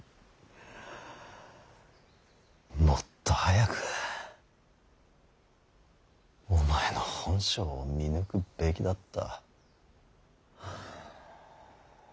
もっと早くお前の本性を見抜くべきだった。